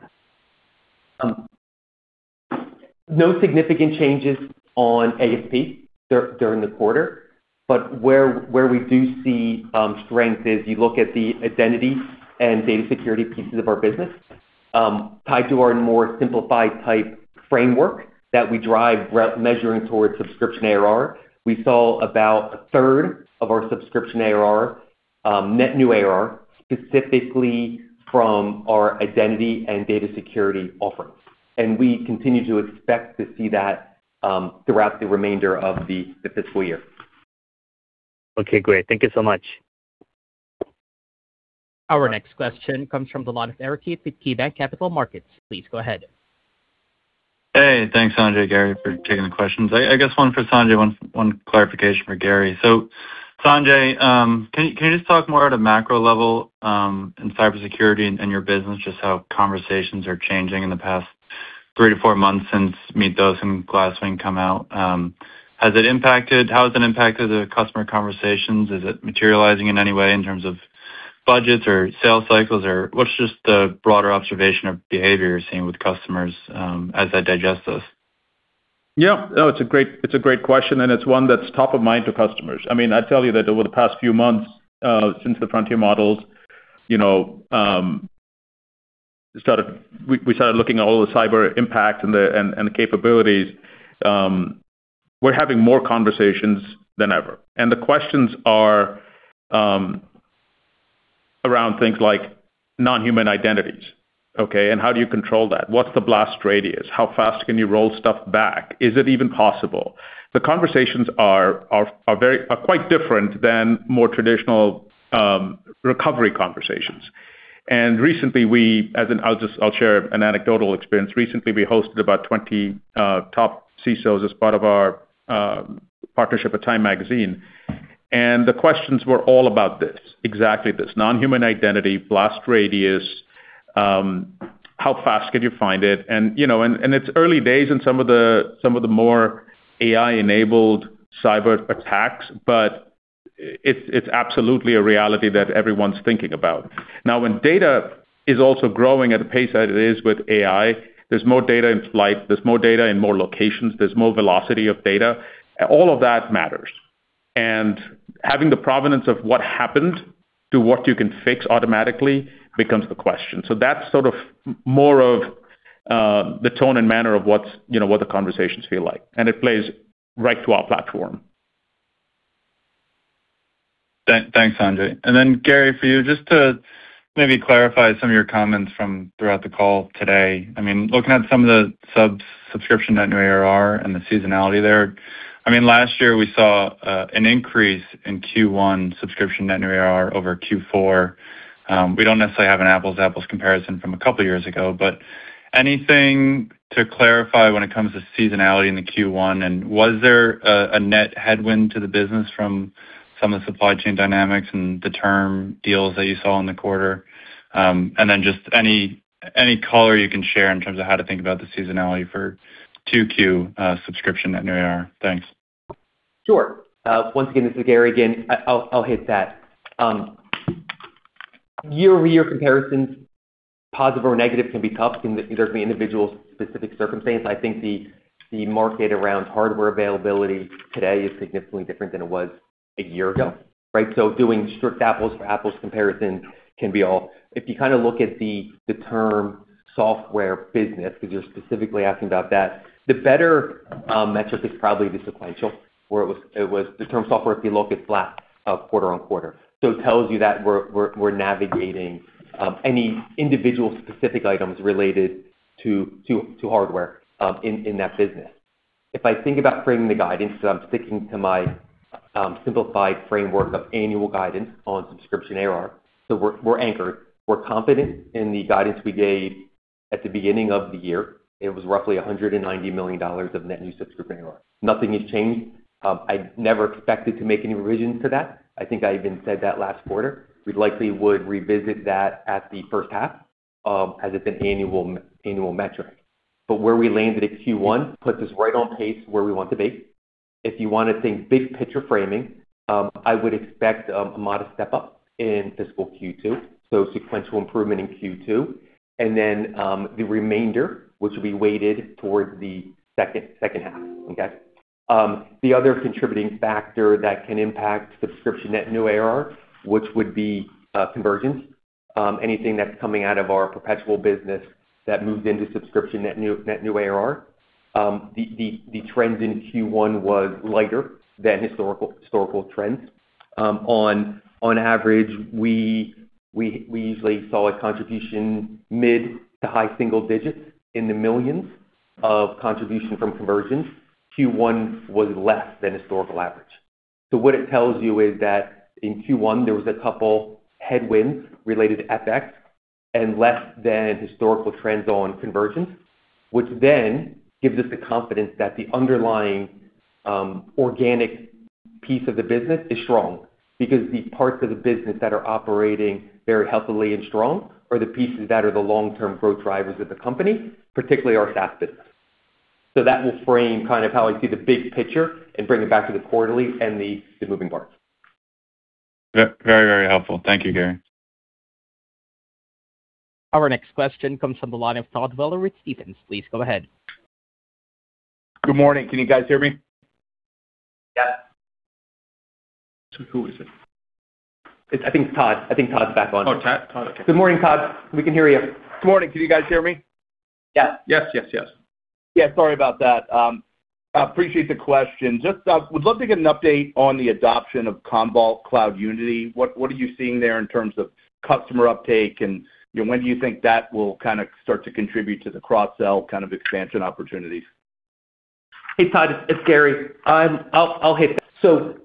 No significant changes on ASP during the quarter. Where we do see strength is you look at the identity and data security pieces of our business, tied to our more simplified type framework that we drive measuring towards subscription ARR. We saw about a third of our subscription ARR, net new ARR, specifically from our identity and data security offerings. We continue to expect to see that throughout the remainder of the fiscal year. Okay, great. Thank you so much. Our next question comes from the line of Eric Heath with KeyBanc Capital Markets. Please go ahead. Hey, thanks, Sanjay, Gary, for taking the questions. I guess one for Sanjay, one clarification for Gary. Sanjay, can you just talk more at a macro level in cybersecurity and your business, just how conversations are changing in the past three to four months since Mythos and Glasswing come out? How has it impacted the customer conversations? Is it materializing in any way in terms of budgets or sales cycles? What's just the broader observation of behavior you're seeing with customers as they digest this? Yeah. No, it's a great question, it's one that's top of mind to customers. I mean, I tell you that over the past few months, since the frontier models, we started looking at all the cyber impact and the capabilities. We're having more conversations than ever, the questions are around things like non-human identities. Okay? How do you control that? What's the blast radius? How fast can you roll stuff back? Is it even possible? The conversations are quite different than more traditional recovery conversations. Recently, I'll share an anecdotal experience. Recently, we hosted about 20 top CISOs as part of our partnership with Time Magazine, the questions were all about this, exactly this. Non-human identity, blast radius, how fast can you find it? It's early days in some of the more AI-enabled cyber attacks. It's absolutely a reality that everyone's thinking about. When data is also growing at a pace that it is with AI, there's more data in flight, there's more data in more locations, there's more velocity of data. All of that matters. Having the provenance of what happened to what you can fix automatically becomes the question. That's sort of more of the tone and manner of what the conversations feel like, and it plays right to our platform. Thanks, Sanjay. Then Gary, for you, just to maybe clarify some of your comments from throughout the call today. Looking at some of the subscription net new ARR and the seasonality there. Last year we saw an increase in Q1 subscription net new ARR over Q4. We don't necessarily have an apples comparison from a couple of years ago. Anything to clarify when it comes to seasonality in the Q1, and was there a net headwind to the business from some of the supply chain dynamics and the term deals that you saw in the quarter? Then just any color you can share in terms of how to think about the seasonality for 2Q subscription net new ARR. Thanks. Sure. Once again, this is Gary again. I'll hit that. Year-over-year comparisons, positive or negative can be tough in certainly individual specific circumstance. I think the market around hardware availability today is significantly different than it was a year ago, right? Doing strict apples-for-apples comparison can be all If you look at the term software business, because you're specifically asking about that, the better metric is probably the sequential, where it was the term software, if you look, it's flat quarter-on-quarter. It tells you that we're navigating any individual specific items related to hardware in that business. If I think about framing the guidance, because I'm sticking to my simplified framework of annual guidance on subscription ARR. We're anchored. We're confident in the guidance we gave at the beginning of the year. It was roughly $190 million of net new subscription ARR. Nothing has changed. I never expected to make any revisions to that. I think I even said that last quarter. We'd likely would revisit that at the first half, as it's an annual metric. Where we landed at Q1 puts us right on pace where we want to be. If you want to think big picture framing, I would expect a modest step up in fiscal Q2, sequential improvement in Q2. Then, the remainder, which will be weighted towards the second half. Okay? The other contributing factor that can impact subscription net new ARR, which would be convergence, anything that's coming out of our perpetual business that moved into subscription net new ARR. The trends in Q1 was lighter than historical trends. On average, we usually saw a contribution mid to high single digits in the millions of contribution from convergence. Q1 was less than historical average. What it tells you is that in Q1, there was a couple headwinds related to FX and less than historical trends on convergence, which then gives us the confidence that the underlying organic piece of the business is strong because the parts of the business that are operating very healthily and strong are the pieces that are the long-term growth drivers of the company, particularly our SaaS business. That will frame how I see the big picture and bring it back to the quarterly and the moving parts. Very helpful. Thank you, Gary. Our next question comes from the line of Todd Weller with Stephens. Please go ahead. Good morning. Can you guys hear me? Yes. Who is it? I think it's Todd. I think Todd's back on. Oh, Todd. Okay. Good morning, Todd. We can hear you. Good morning. Can you guys hear me? Yes. Yes. Yeah, sorry about that. Appreciate the question. Just would love to get an update on the adoption of Commvault Cloud Unity. What are you seeing there in terms of customer uptake, and when do you think that will kind of start to contribute to the cross-sell kind of expansion opportunities? Hey, Todd, it's Gary. I'll hit that.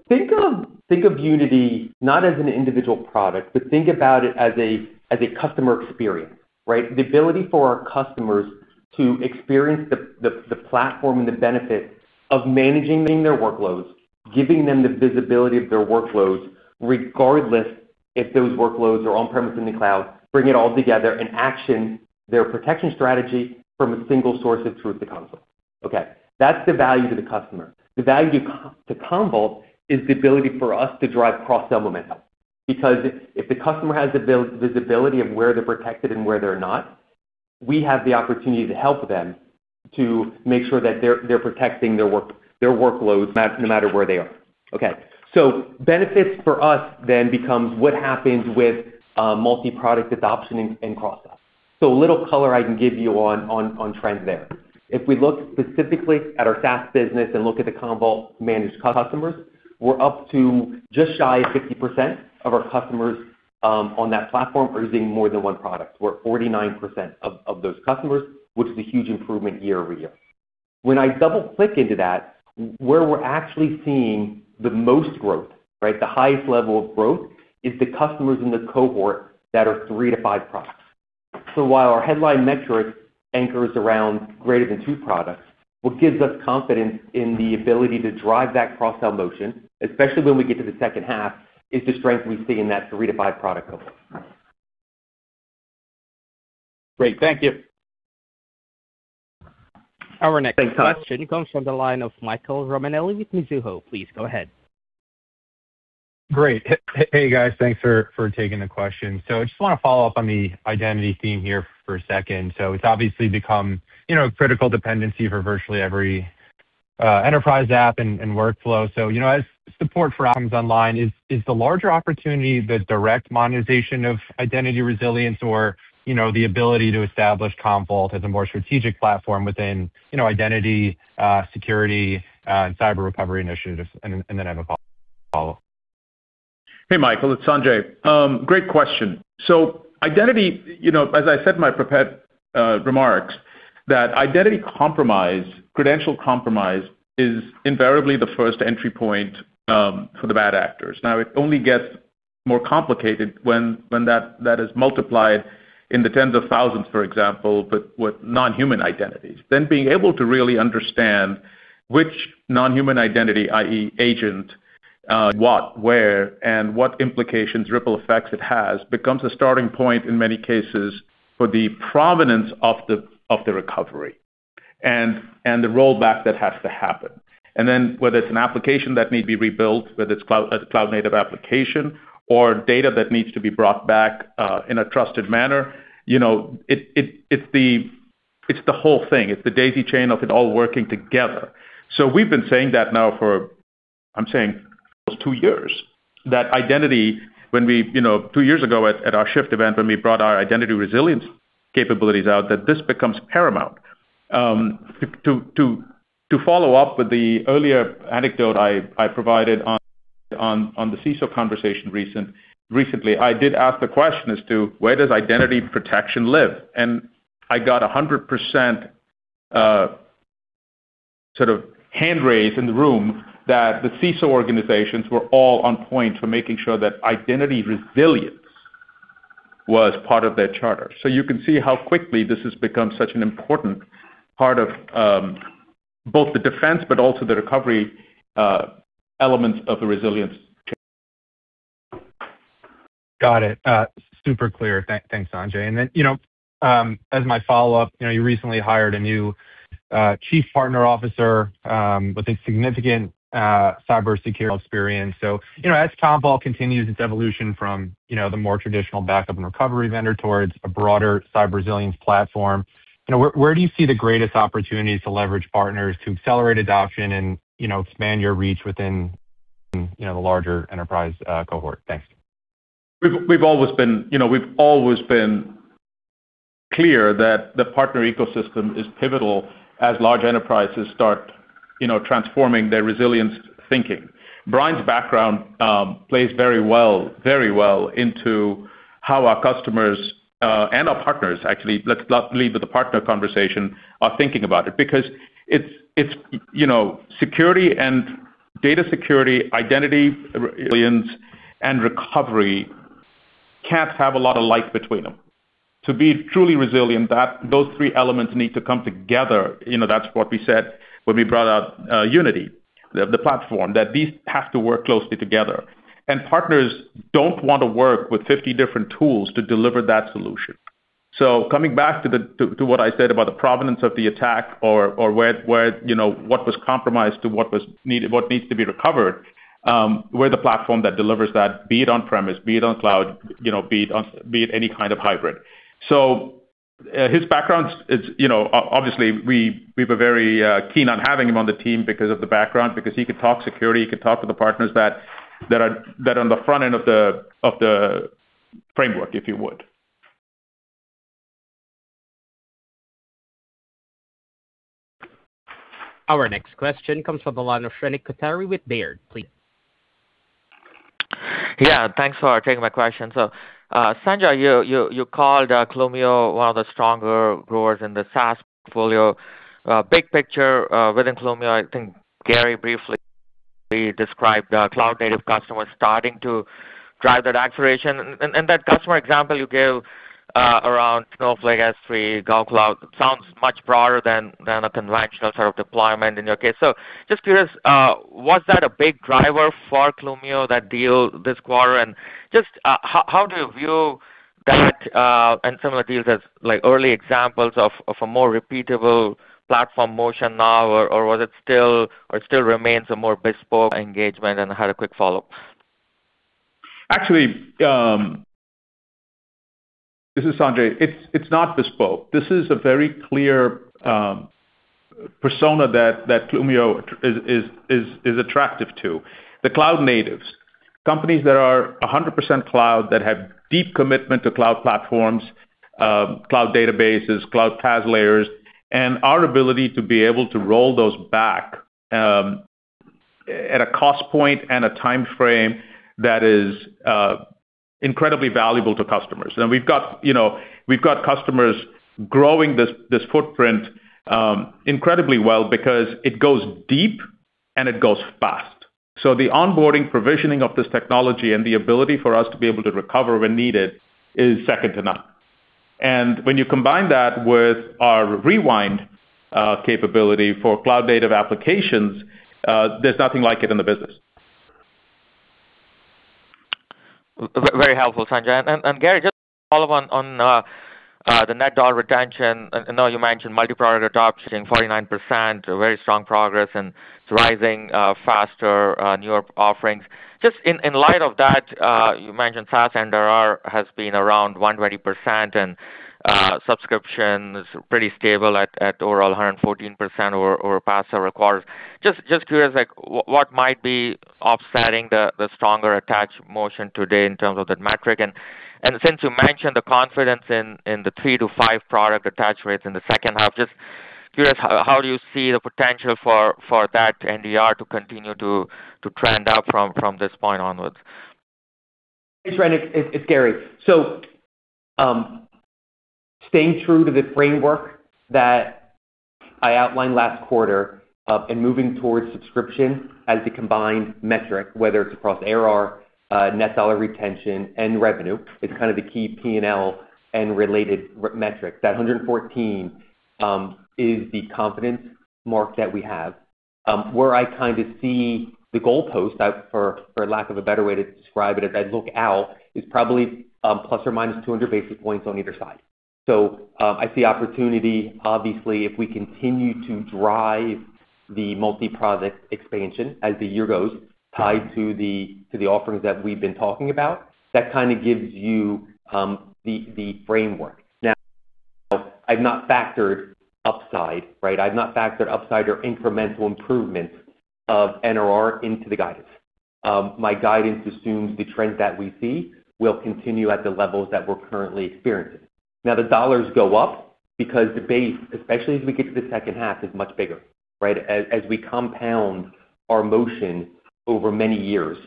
Think of Unity not as an individual product, but think about it as a customer experience, right? The ability for our customers to experience the platform and the benefit of managing their workloads, giving them the visibility of their workloads, regardless if those workloads are on-premise in the cloud, bring it all together and action their protection strategy from a single source of truth to Commvault. Okay. That's the value to the customer. The value to Commvault is the ability for us to drive cross-sell momentum. If the customer has the visibility of where they're protected and where they're not, we have the opportunity to help them to make sure that they're protecting their workloads, no matter where they are. Okay. Benefits for us becomes what happens with multi-product adoption and cross-sell. A little color I can give you on trends there. If we look specifically at our SaaS business and look at the Commvault managed customers, we're up to just shy of 50% of our customers on that platform are using more than one product. We're 49% of those customers, which is a huge improvement year-over-year. When I double-click into that, where we're actually seeing the most growth, right, the highest level of growth is the customers in the cohort that are three to five products. While our headline metric anchors around greater than two products, what gives us confidence in the ability to drive that cross-sell motion, especially when we get to the second half, is the strength we see in that three to five product cohort. Great. Thank you. Our next question comes from the line of Michael Romanelli with Mizuho. Please go ahead. Great. Hey, guys. Thanks for taking the question. I just want to follow up on the identity theme here for a second. It's obviously become a critical dependency for virtually every enterprise app and workflow. As support for items online, is the larger opportunity the direct monetization of identity resilience? Or the ability to establish Commvault as a more strategic platform within identity, security, and cyber recovery initiatives? I have a follow-up. Hey, Michael, it's Sanjay. Great question. Identity, as I said in my prepared remarks, that identity compromise, credential compromise, is invariably the first entry point for the bad actors. Now, it only gets more complicated when that is multiplied in the tens of thousands, for example, but with non-human identities. Being able to really understand which non-human identity, i.e., agent, what, where, and what implications, ripple effects it has, becomes a starting point in many cases for the provenance of the recovery and the rollback that has to happen. Whether it's an application that need be rebuilt, whether it's a cloud-native application or data that needs to be brought back in a trusted manner, it's the whole thing. It's the daisy chain of it all working together. We've been saying that now for, I'm saying almost two years, that identity, two years ago at our Shift event when we brought our identity resilience capabilities out, that this becomes paramount. To follow up with the earlier anecdote I provided on the CISO conversation recently, I did ask the question as to where does identity protection live, and I got 100% sort of hand raise in the room that the CISO organizations were all on point for making sure that identity resilience was part of their charter. You can see how quickly this has become such an important part of both the defense but also the recovery elements of the resilience chain. Got it. Super clear. Thanks, Sanjay. As my follow-up, you recently hired a new Chief Partner Officer with a significant cybersecurity experience. As Commvault continues its evolution from the more traditional backup and recovery vendor towards a broader cyber resilience platform, where do you see the greatest opportunities to leverage partners to accelerate adoption and expand your reach within the larger enterprise cohort? Thanks. We've always been clear that the partner ecosystem is pivotal as large enterprises start transforming their resilience thinking. Brian's background plays very well into how our customers, and our partners, actually, let's lead with the partner conversation, are thinking about it. Security and data security, identity resilience, and recovery can't have a lot of life between them. To be truly resilient, those three elements need to come together. That's what we said when we brought out Unity, the platform, that these have to work closely together. Partners don't want to work with 50 different tools to deliver that solution. Coming back to what I said about the provenance of the attack or what was compromised to what needs to be recovered, we're the platform that delivers that, be it on-premise, be it on cloud, be it any kind of hybrid. His background is, obviously, we were very keen on having him on the team because of the background, because he could talk security, he could talk to the partners that on the front end of the framework, if you would. Our next question comes from the line of Shrenik Kothari with Baird. Please. Yeah. Thanks for taking my question. Sanjay, you called Clumio one of the stronger growers in the SaaS portfolio. Big picture within Clumio, I think Gary briefly described cloud-native customers starting to drive that acceleration. That customer example you gave around Snowflake, S3, Google Cloud sounds much broader than a conventional sort of deployment in your case. Just curious, was that a big driver for Clumio, that deal this quarter? Just how do you view that and some of the deals as early examples of a more repeatable platform motion now, or it still remains a more bespoke engagement? I had a quick follow-up. Actually This is Sanjay. It's not bespoke. This is a very clear persona that Clumio is attractive to. The cloud natives, companies that are 100% cloud that have deep commitment to cloud platforms, cloud databases, cloud PaaS layers, our ability to be able to roll those back at a cost point and a time frame that is incredibly valuable to customers. We've got customers growing this footprint incredibly well because it goes deep and it goes fast. The onboarding, provisioning of this technology, and the ability for us to be able to recover when needed is second to none. When you combine that with our rewind capability for cloud-native applications, there's nothing like it in the business. Very helpful, Sanjay. Gary, just to follow up on the net dollar retention. I know you mentioned multi-product adoption hitting 49%, very strong progress, and it's rising faster newer offerings. Just in light of that, you mentioned SaaS NRR has been around 120% and subscription is pretty stable at overall 114% or past our requirements. Just curious, like, what might be offsetting the stronger attach motion today in terms of that metric? Since you mentioned the confidence in the three to five product attach rates in the second half, just curious, how do you see the potential for that NDR to continue to trend up from this point onwards? Hey, Shrenik, it's Gary. Staying true to the framework that I outlined last quarter, and moving towards subscription as the combined metric, whether it's across ARR, net dollar retention, and revenue, is kind of the key P&L and related metrics. That 114 is the confidence mark that we have. Where I kind of see the goalpost, for lack of a better way to describe it, as I look out, is probably ±200 basis points on either side. I see opportunity, obviously, if we continue to drive the multi-product expansion as the year goes tied to the offerings that we've been talking about. That kind of gives you the framework. I've not factored upside, right? I've not factored upside or incremental improvements of NRR into the guidance. My guidance assumes the trends that we see will continue at the levels that we're currently experiencing. The dollars go up because the base, especially as we get to the second half, is much bigger, right? As we compound our motion over many years,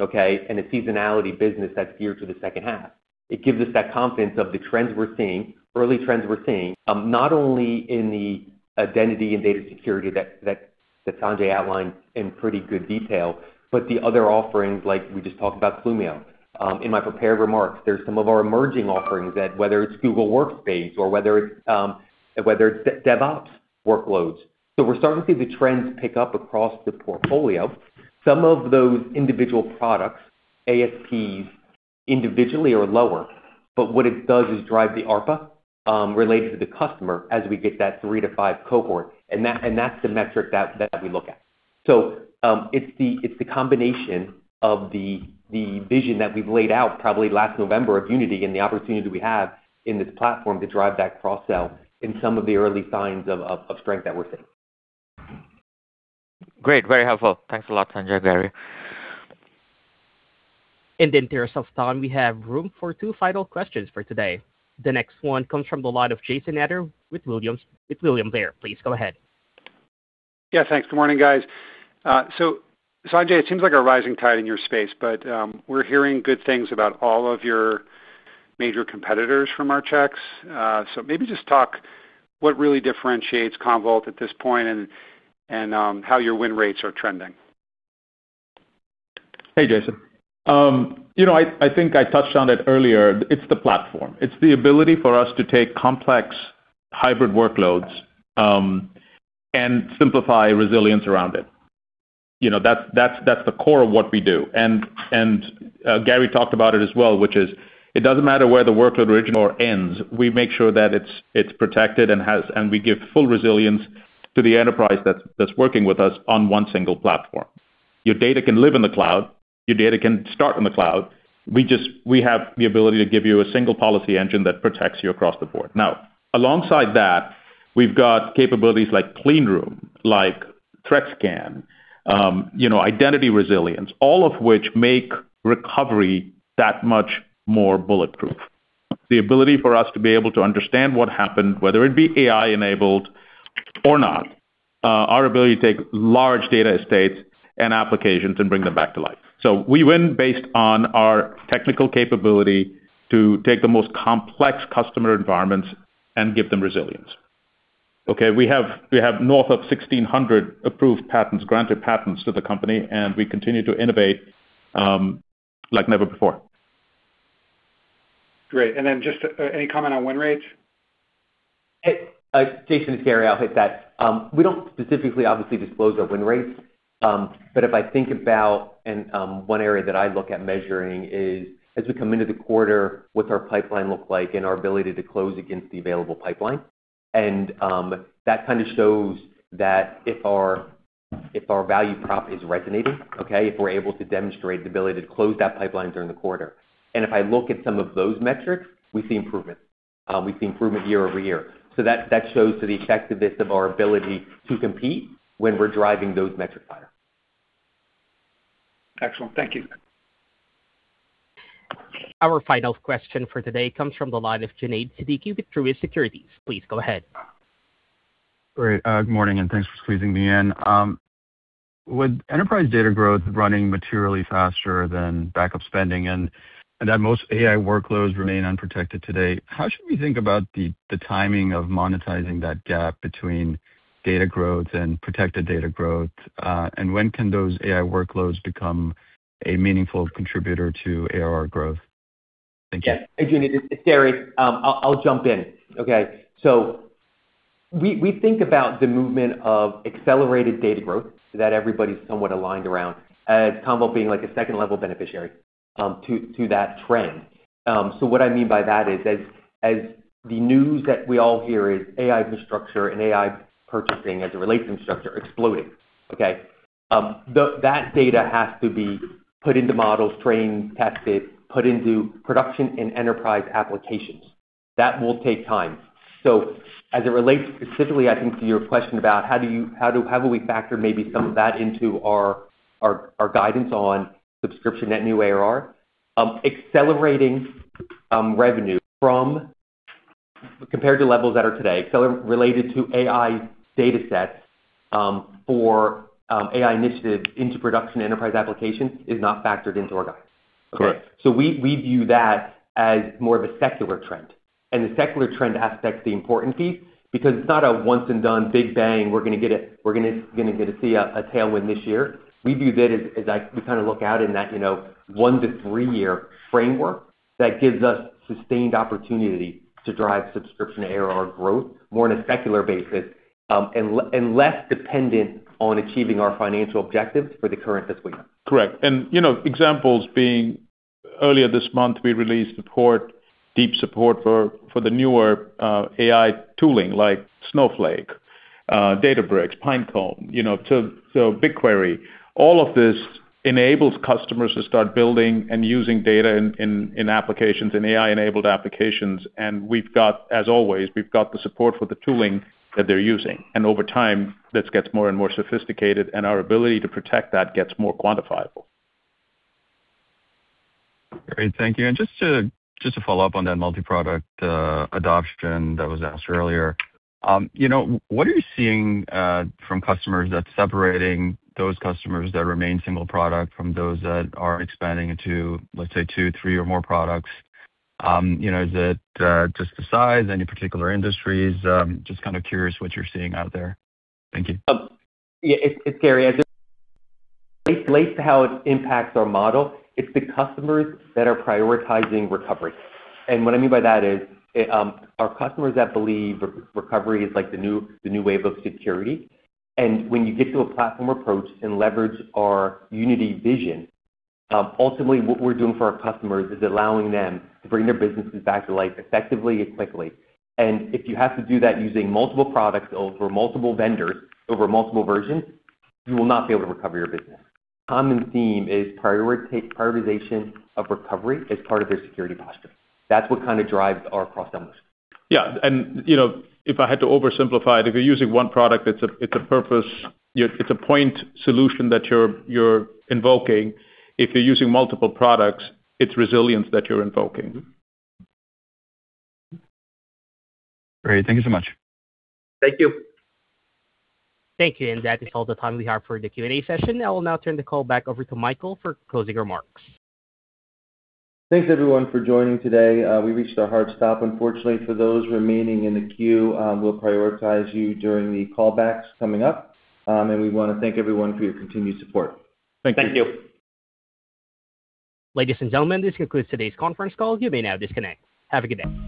okay? A seasonality business that's geared to the second half, it gives us that confidence of the trends we're seeing, early trends we're seeing, not only in the identity and data security that Sanjay outlined in pretty good detail, but the other offerings like we just talked about Clumio. In my prepared remarks, there's some of our emerging offerings that whether it's Google Workspace or whether it's DevOps workloads. We're starting to see the trends pick up across the portfolio. Some of those individual products, ASPs individually are lower, but what it does is drive the ARPA related to the customer as we get that three to five cohort, and that's the metric that we look at. It's the combination of the vision that we've laid out probably last November of Unity and the opportunity we have in this platform to drive that cross-sell in some of the early signs of strength that we're seeing. Great. Very helpful. Thanks a lot, Sanjay, Gary. In the interest of time, we have room for two final questions for today. The next one comes from the line of Jason Ader with William Blair. Please go ahead. Yeah, thanks. Good morning, guys. Sanjay, it seems like a rising tide in your space, but we're hearing good things about all of your major competitors from our checks. Maybe just talk what really differentiates Commvault at this point and how your win rates are trending. Hey, Jason. I think I touched on it earlier. It's the platform. It's the ability for us to take complex hybrid workloads, and simplify resilience around it. That's the core of what we do. Gary talked about it as well, which is it doesn't matter where the workload original ends. We make sure that it's protected and we give full resilience to the enterprise that's working with us on one single platform. Your data can live in the cloud. Your data can start in the cloud. We have the ability to give you a single policy engine that protects you across the board. Alongside that, we've got capabilities like Cleanroom, like Threat Scan, identity resilience, all of which make recovery that much more bulletproof. The ability for us to be able to understand what happened, whether it be AI-enabled or not. Our ability to take large data estates and applications and bring them back to life. We win based on our technical capability to take the most complex customer environments and give them resilience. Okay. We have north of 1,600 approved patents, granted patents to the company, and we continue to innovate like never before. Great. Then just any comment on win rates? Jason, it's Gary. I'll hit that. We don't specifically obviously disclose our win rates. If I think about, and one area that I look at measuring is as we come into the quarter, what's our pipeline look like and our ability to close against the available pipeline. That kind of shows that if our value prop is resonating, okay, if we're able to demonstrate the ability to close that pipeline during the quarter. If I look at some of those metrics, we see improvement. We see improvement year-over-year. That shows to the effectiveness of our ability to compete when we're driving those metrics higher. Excellent. Thank you. Our final question for today comes from the line of Junaid Siddiqui with Truist Securities. Please go ahead. Great. Good morning. Thanks for squeezing me in. With enterprise data growth running materially faster than backup spending, that most AI workloads remain unprotected today, how should we think about the timing of monetizing that gap between data growth and protected data growth? When can those AI workloads become a meaningful contributor to ARR growth? Thank you. Yeah. Junaid, it's Gary. I'll jump in. Okay. We think about the movement of accelerated data growth that everybody's somewhat aligned around, Commvault being a second-level beneficiary to that trend. What I mean by that is, as the news that we all hear is AI infrastructure and AI purchasing, as it relates to infrastructure, exploding, okay? That data has to be put into models, trained, tested, put into production and enterprise applications. That will take time. As it relates specifically, I think, to your question about how do we factor maybe some of that into our guidance on subscription net new ARR, accelerating revenue compared to levels that are today, related to AI data sets for AI initiatives into production enterprise applications is not factored into our guidance. Correct. We view that as more of a secular trend. The secular trend aspects the important piece because it's not a once and done big bang, we're going to get to see a tailwind this year. We view that as we look out in that one to three-year framework that gives us sustained opportunity to drive subscription ARR growth more on a secular basis, less dependent on achieving our financial objectives for the current fiscal year. Correct. Examples being earlier this month, we released deep support for the newer AI tooling, like Snowflake, Databricks, Pinecone, so BigQuery. All of this enables customers to start building and using data in applications, in AI-enabled applications. We've got, as always, we've got the support for the tooling that they're using. Over time, this gets more and more sophisticated, our ability to protect that gets more quantifiable. Great. Thank you. Just to follow up on that multi-product adoption that was asked earlier. What are you seeing from customers that's separating those customers that remain single product from those that are expanding into, let's say, two, three or more products? Is it just the size, any particular industries? Just kind of curious what you're seeing out there. Thank you. Yeah. It's Gary. It relates to how it impacts our model. It's the customers that are prioritizing recovery. What I mean by that is, our customers that believe recovery is like the new wave of security. When you get to a platform approach and leverage our unity vision, ultimately what we're doing for our customers is allowing them to bring their businesses back to life effectively and quickly. If you have to do that using multiple products over multiple vendors over multiple versions, you will not be able to recover your business. Common theme is prioritization of recovery as part of their security posture. That's what kind of drives our cross-sell motion. Yeah. If I had to oversimplify it, if you're using one product, it's a point solution that you're invoking. If you're using multiple products, it's resilience that you're invoking. Great. Thank you so much. Thank you. Thank you. That is all the time we have for the Q&A session. I will now turn the call back over to Michael for closing remarks. Thanks, everyone, for joining today. We reached our hard stop, unfortunately, for those remaining in the queue. We'll prioritize you during the callbacks coming up. We want to thank everyone for your continued support. Thank you. Thank you. Ladies and gentlemen, this concludes today's conference call. You may now disconnect. Have a good day.